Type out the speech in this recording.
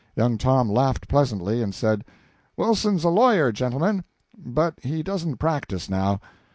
Young Tom laughed pleasantly, and said: "Wilson's a lawyer, gentlemen, but he doesn't practise now."